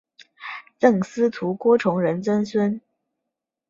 赠司徒郭崇仁曾孙。